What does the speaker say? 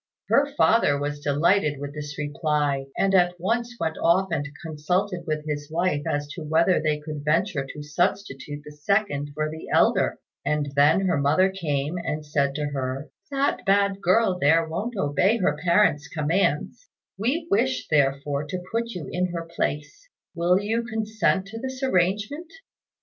Her father was delighted with this reply, and at once went off and consulted with his wife as to whether they could venture to substitute the second for the elder; and then her mother came and said to her, "That bad girl there won't obey her parent's commands; we wish, therefore, to put you in her place: will you consent to this arrangement?"